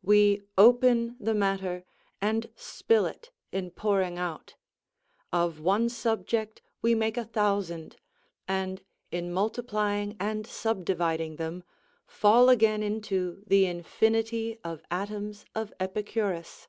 We open the matter, and spill it in pouring out: of one subject we make a thousand, and in multiplying and subdividing them, fall again into the infinity of atoms of Epicurus.